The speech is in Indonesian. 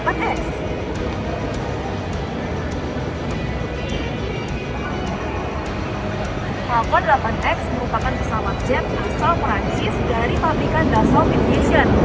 falcon delapan x merupakan pesawat jet asal perancis dari pabrikan dassault infusion